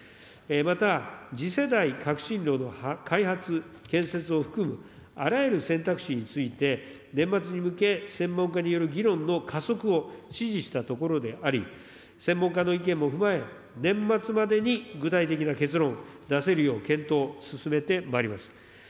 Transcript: また、次世代革新炉の開発、建設を含むあらゆる選択肢について、年末に向け、専門家による議論の加速を指示したところであり、専門家の意見も踏まえ、年末までに具体的な結論、出せるよう、検討、進めてまいります。